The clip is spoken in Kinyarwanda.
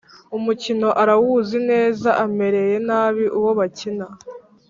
umukino arawuzi neza amereye nabi uwobakina